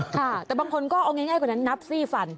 ค่ะแต่บางคนก็เอาง่ายกว่านั้นนับซี่ฟัน